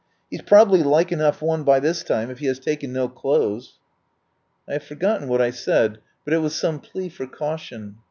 He's probably like enough one by this time if he has taken no clothes." I have forgotten what I said, but it was some plea for caution.